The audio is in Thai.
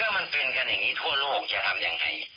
มันเป็นกันอย่างนี้ทั่วโลกจะทำยังไง